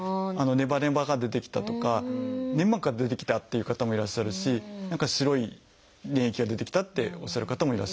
「ネバネバが出てきた」とか「粘膜が出てきた」って言う方もいらっしゃるし「何か白い粘液が出てきた」っておっしゃる方もいらっしゃいます。